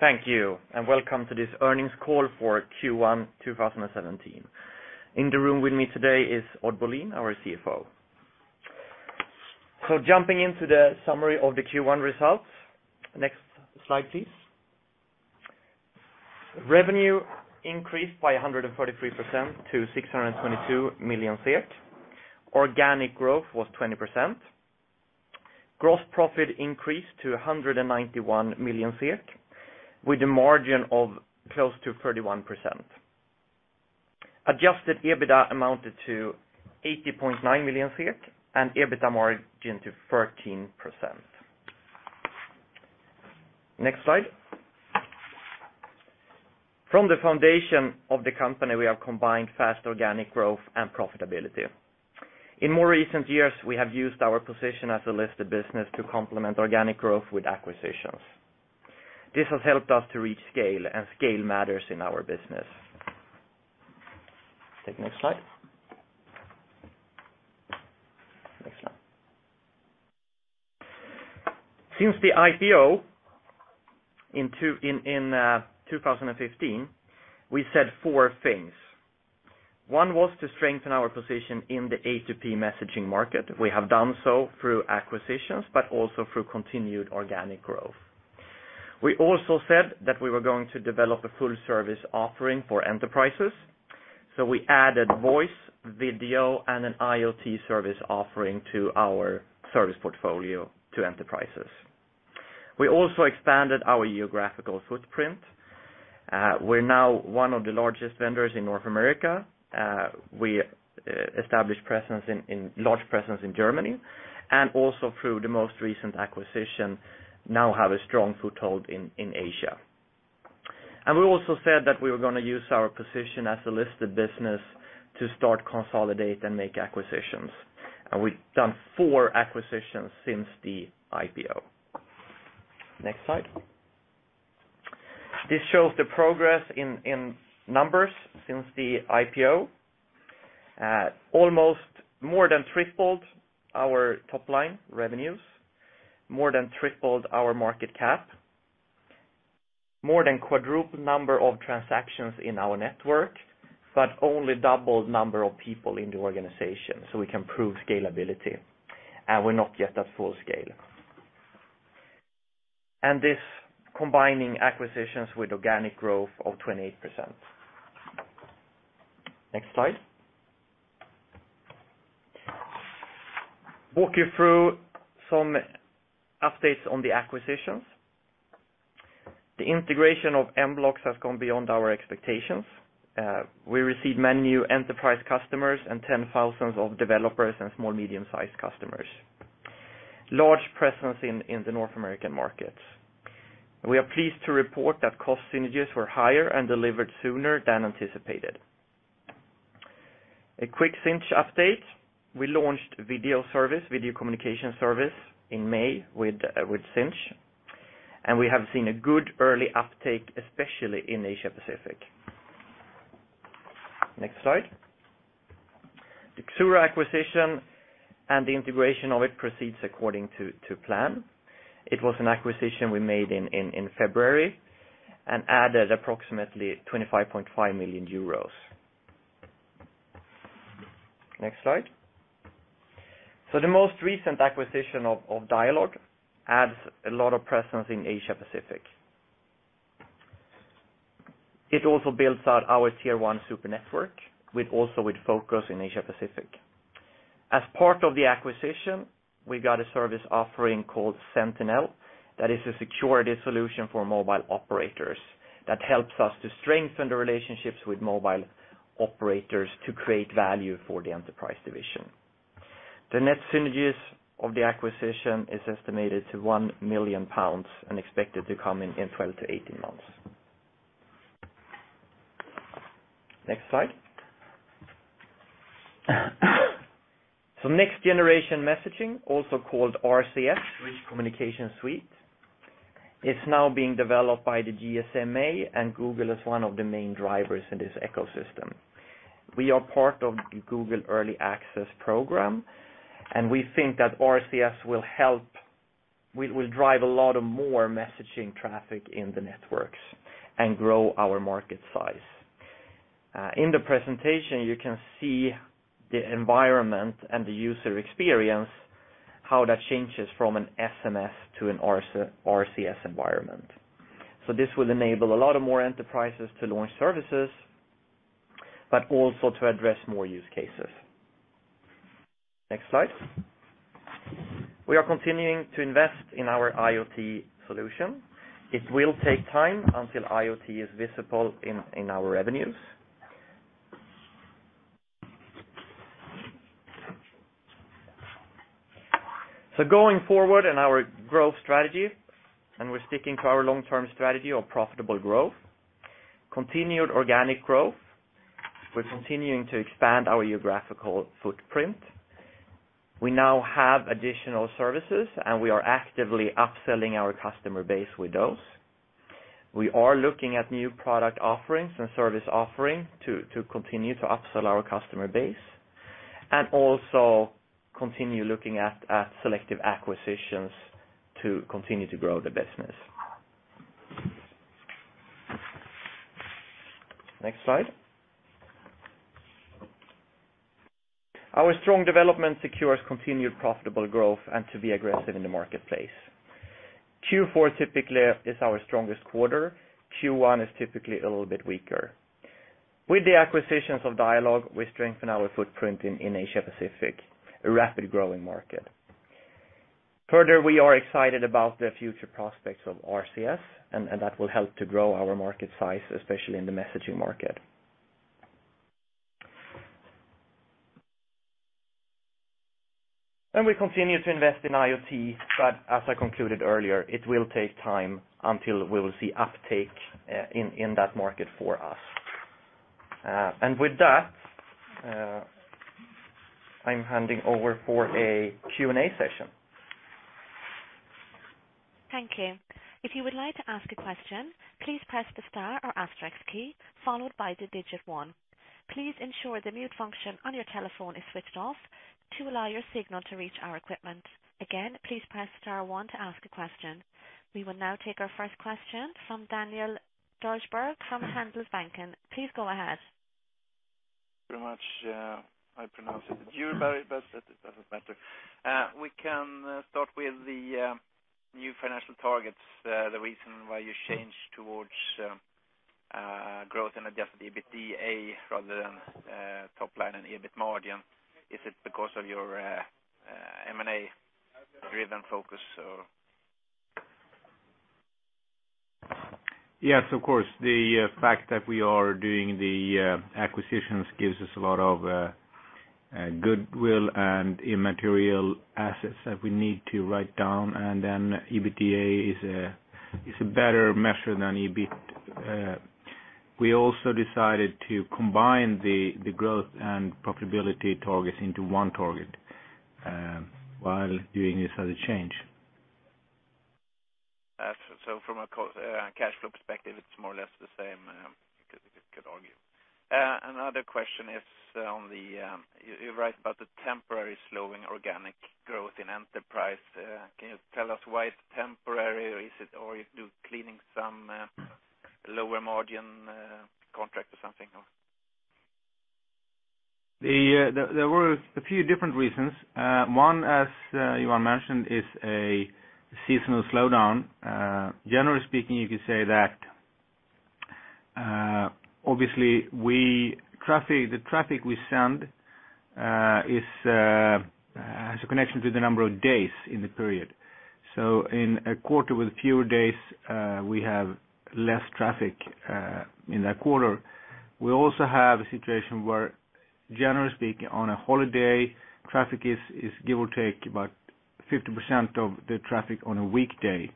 Thank you. Welcome to this earnings call for Q1 2017. In the room with me today is Odd Bolin, our CFO. Jumping into the summary of the Q1 results. Next slide, please. Revenue increased by 143% to 622 million. Organic growth was 20%. Gross profit increased to 191 million with a margin of close to 31%. Adjusted EBITDA amounted to 80.9 million and EBITDA margin to 13%. Next slide. From the foundation of the company, we have combined fast organic growth and profitability. In more recent years, we have used our position as a listed business to complement organic growth with acquisitions. This has helped us to reach scale, and scale matters in our business. Take the next slide. Next slide. Since the IPO in 2015, we said four things. One was to strengthen our position in the A2P messaging market. We have done so through acquisitions, but also through continued organic growth. We also said that we were going to develop a full service offering for enterprises, so we added voice, video, and an IoT service offering to our service portfolio to enterprises. We also expanded our geographical footprint. We are now one of the largest vendors in North America. We established large presence in Germany, and also through the most recent acquisition, now have a strong foothold in Asia. We also said that we were going to use our position as a listed business to start, consolidate, and make acquisitions. We have done four acquisitions since the IPO. Next slide. This shows the progress in numbers since the IPO. Almost more than tripled our top-line revenues, more than tripled our market cap, more than quadrupled number of transactions in our network, but only doubled number of people in the organization, so we can prove scalability, and we are not yet at full scale. This combining acquisitions with organic growth of 28%. Next slide. Walk you through some updates on the acquisitions. The integration of mBlox has gone beyond our expectations. We received many new enterprise customers and 10 thousands of developers and small, medium-sized customers. Large presence in the North American markets. We are pleased to report that cost synergies were higher and delivered sooner than anticipated. A quick Sinch update. We launched video communication service in May with Sinch, and we have seen a good early uptake, especially in Asia-Pacific. Next slide. The Xura acquisition and the integration of it proceeds according to plan. It was an acquisition we made in February and added approximately €25.5 million. Next slide. The most recent acquisition of Dialog adds a lot of presence in Asia-Pacific. It also builds out our Tier 1 super network, also with focus in Asia-Pacific. As part of the acquisition, we got a service offering called Sentinel that is a security solution for mobile operators that helps us to strengthen the relationships with mobile operators to create value for the enterprise division. The net synergies of the acquisition is estimated to £1 million and expected to come in 12 to 18 months. Next slide. Next generation messaging, also called RCS, Rich Communication Services, is now being developed by the GSMA, and Google is one of the main drivers in this ecosystem. We are part of the Google Early Access program. We think that RCS will drive a lot of more messaging traffic in the networks and grow our market size. In the presentation, you can see the environment and the user experience, how that changes from an SMS to an RCS environment. This will enable a lot of more enterprises to launch services, but also to address more use cases. Next slide. We are continuing to invest in our IoT solution. It will take time until IoT is visible in our revenues. Going forward in our growth strategy, and we're sticking to our long-term strategy of profitable growth, continued organic growth. We're continuing to expand our geographical footprint. We now have additional services, and we are actively upselling our customer base with those. We are looking at new product offerings and service offering to continue to upsell our customer base. Also continue looking at selective acquisitions to continue to grow the business. Next slide. Our strong development secures continued profitable growth and to be aggressive in the marketplace. Q4 typically is our strongest quarter. Q1 is typically a little bit weaker. With the acquisitions of Dialog, we strengthen our footprint in Asia Pacific, a rapid growing market. Further, we are excited about the future prospects of RCS, and that will help to grow our market size, especially in the messaging market. We continue to invest in IoT, but as I concluded earlier, it will take time until we will see uptake in that market for us. With that, I'm handing over for a Q&A session. Thank you. If you would like to ask a question, please press the star or asterisk key followed by the digit 1. Please ensure the mute function on your telephone is switched off to allow your signal to reach our equipment. Again, please press star 1 to ask a question. We will now take our first question from Daniel Djurberg from Handelsbanken. Please go ahead. Very much, I pronounce it your way, but it doesn't matter. We can start with the new financial targets, the reason why you changed towards growth and adjusted EBITDA rather than top line and EBIT margin. Is it because of your M&A-driven focus or? the fact that we are doing the acquisitions gives us a lot of goodwill and immaterial assets that we need to write down, EBITDA is a better measure than EBIT. We also decided to combine the growth and profitability targets into one target, while doing this as a change. From a cash flow perspective, it's more or less the same, you could argue. Another question is on the, you write about the temporary slowing organic growth in enterprise. Can you tell us why it's temporary, or are you cleaning some lower margin contract or something or? There were a few different reasons. One, as Johan mentioned, is a seasonal slowdown. Generally speaking, you could say that, obviously, the traffic we send has a connection to the number of days in the period. In a quarter with fewer days, we have less traffic, in that quarter. We also have a situation where, generally speaking, on a holiday, traffic is give or take about 50% of the traffic on a weekday,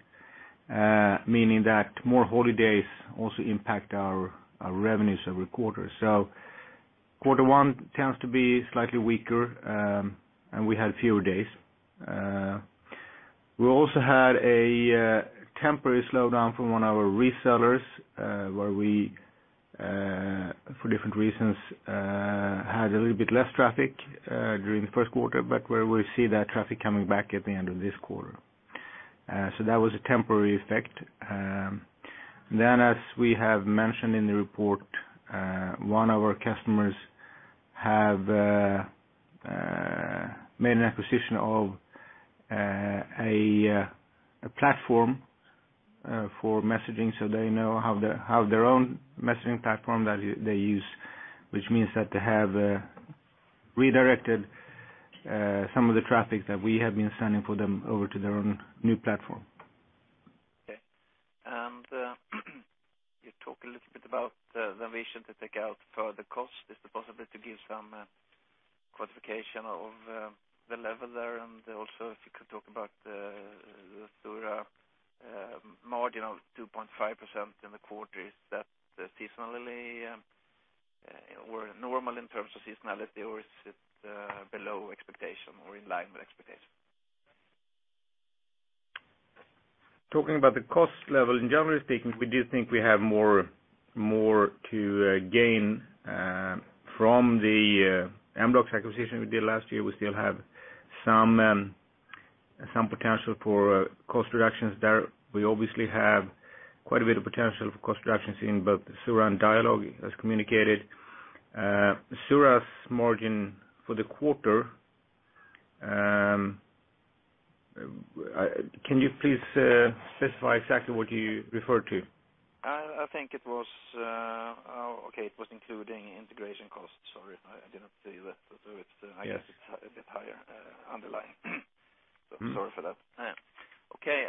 meaning that more holidays also impact our revenues every quarter. Quarter one tends to be slightly weaker, and we had fewer days. We also had a temporary slowdown from one of our resellers, where we, for different reasons, had a little bit less traffic during the first quarter, but where we see that traffic coming back at the end of this quarter. That was a temporary effect. As we have mentioned in the report, one of our customers have made an acquisition of a platform for messaging, they now have their own messaging platform that they use, which means that they have redirected some of the traffic that we have been sending for them over to their own new platform. You talk a little bit about the ambition to take out further cost. Is it possible to give some quantification of the level there? Also, if you could talk about the Xura margin of 2.5% in the quarter, is that seasonally, or normal in terms of seasonality, or is it below expectation or in line with expectation? Talking about the cost level, generally speaking, we do think we have more to gain from the mBlox acquisition we did last year. We still have some potential for cost reductions there. We obviously have quite a bit of potential for cost reductions in both Xura and Dialog, as communicated. Xura's margin for the quarter, can you please specify exactly what you referred to? I think it was, oh, okay, it was including integration costs. Sorry, I didn't see that. It's, I guess. Yes It's a bit higher, underlying. Sorry for that. Okay,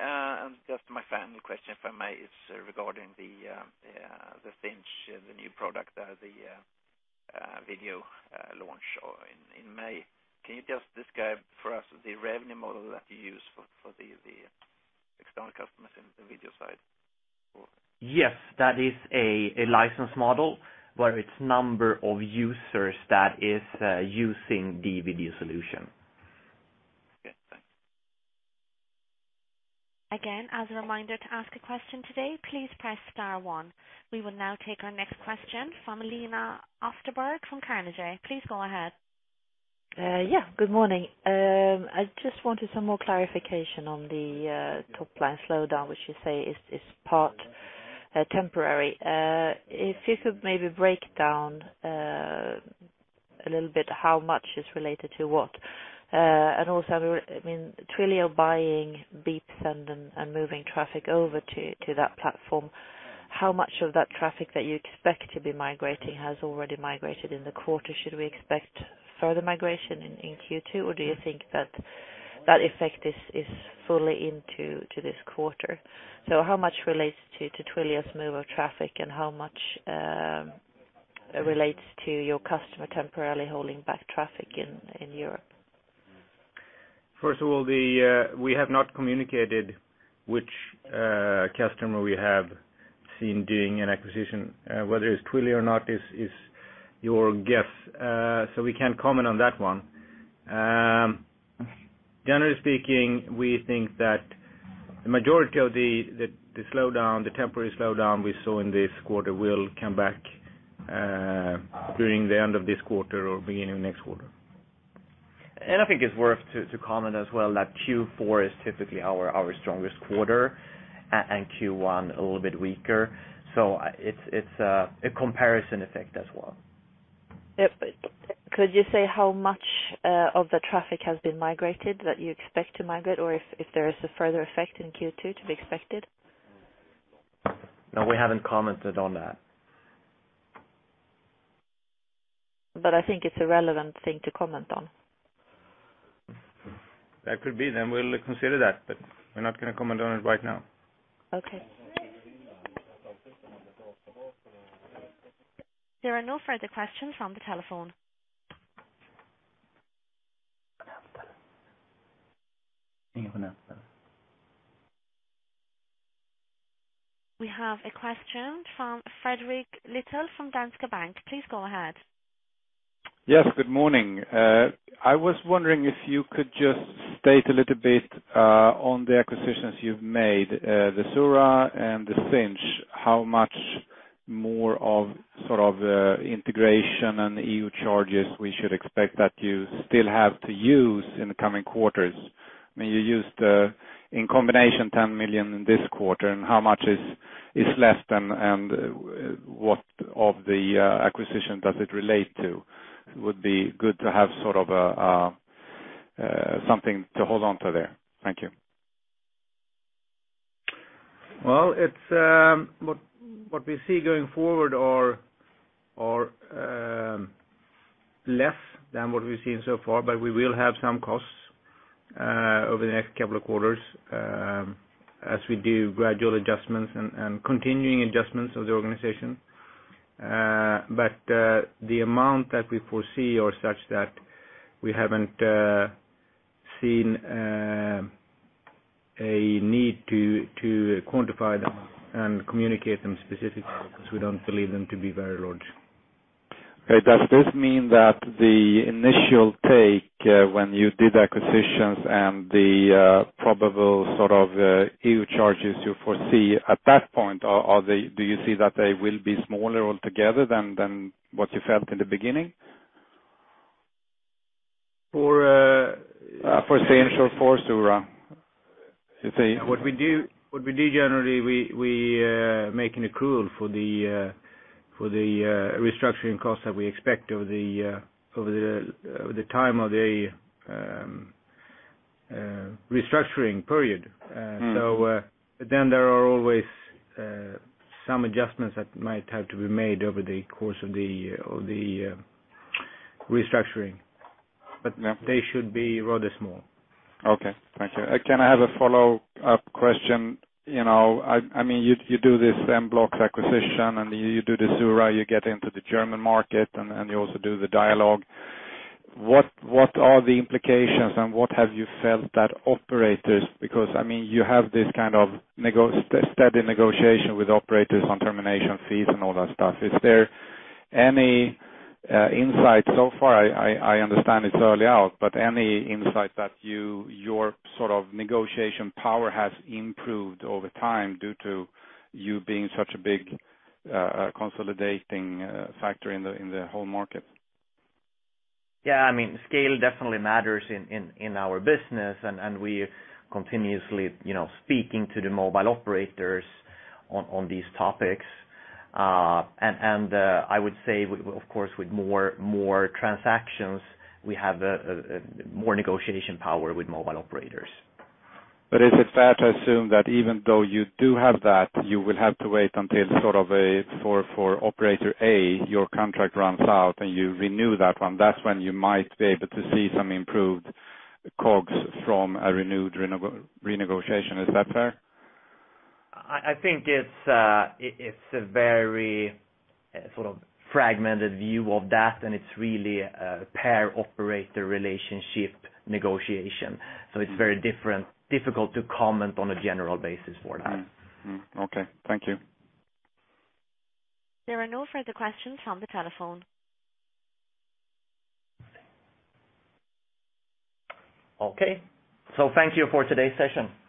just my final question, if I may, is regarding the Sinch, the new product, the video launch in May. Can you just describe for us the revenue model that you use for the external customers in the video side? Yes, that is a license model where it's number of users that is using the video solution. Again, as a reminder to ask a question today, please press star one. We will now take our next question from Lina Åsberg from Carnegie. Please go ahead. Yeah, good morning. I just wanted some more clarification on the top line slowdown, which you say is part temporary. If you could maybe break down a little bit how much is related to what. Also, Twilio buying Beepsend and moving traffic over to that platform. How much of that traffic that you expect to be migrating has already migrated in the quarter? Should we expect further migration in Q2, or do you think that effect is fully into this quarter? How much relates to Twilio's move of traffic, and how much relates to your customer temporarily holding back traffic in Europe? First of all, we have not communicated which customer we have seen doing an acquisition. Whether it's Twilio or not is your guess. We can't comment on that one. Generally speaking, we think that the majority of the temporary slowdown we saw in this quarter will come back, during the end of this quarter or beginning of next quarter. I think it's worth to comment as well that Q4 is typically our strongest quarter, Q1 a little bit weaker. It's a comparison effect as well. Could you say how much of the traffic has been migrated that you expect to migrate, or if there is a further effect in Q2 to be expected? No, we haven't commented on that. I think it's a relevant thing to comment on. That could be. We'll consider that. We're not going to comment on it right now. Okay. There are no further questions from the telephone. We have a question from Fredrik Lithell from Danske Bank. Please go ahead. Yes, good morning. I was wondering if you could just state a little bit, on the acquisitions you've made, the Xura and the Sinch, how much more of integration and [EU] charges we should expect that you still have to use in the coming quarters. You used, in combination, 10 million in this quarter, and how much is less, and what of the acquisition does it relate to? Would be good to have something to hold on to there. Thank you. What we see going forward are less than what we've seen so far, but we will have some costs over the next couple of quarters, as we do gradual adjustments and continuing adjustments of the organization. The amount that we foresee are such that we haven't seen a need to quantify them and communicate them specifically, because we don't believe them to be very large. Okay, does this mean that the initial take when you did acquisitions and the probable EO charges you foresee at that point, do you see that they will be smaller altogether than what you felt in the beginning? For For Sinch or for Xura. What we do generally, we make an accrual for the restructuring costs that we expect over the time of the restructuring period. There are always some adjustments that might have to be made over the course of the restructuring. Yeah. They should be rather small. Okay. Thank you. Can I have a follow-up question? You do this mBlox acquisition, and you do the Xura, you get into the German market, and you also do the Dialog. What are the implications and what have you felt that operators, because you have this steady negotiation with operators on termination fees and all that stuff? Is there any insight so far? I understand it's early out, but any insight that your negotiation power has improved over time due to you being such a big consolidating factor in the whole market? Yeah, scale definitely matters in our business, and we continuously speaking to the mobile operators on these topics. I would say, of course, with more transactions, we have more negotiation power with mobile operators. Is it fair to assume that even though you do have that, you will have to wait until for operator A, your contract runs out and you renew that one. That's when you might be able to see some improved COGS from a renewed renegotiation. Is that fair? I think it's a very fragmented view of that, and it's really a per operator relationship negotiation. It's very difficult to comment on a general basis for that. Okay. Thank you. There are no further questions from the telephone. Okay. Thank you for today's session.